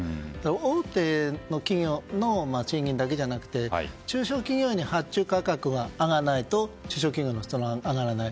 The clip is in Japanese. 大手の企業の賃金だけじゃなくて中小企業への発注価格が上がらないと中小企業の人は上がらない。